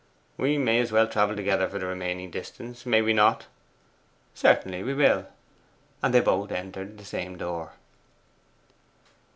'We may as well travel together for the remaining distance, may we not?' 'Certainly we will;' and they both entered the same door.